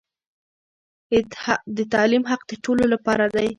د تعليم حق د ټولو لپاره دی.